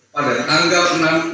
pada tanggal enam tujuh